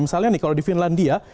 misalnya nih kalau di finlandia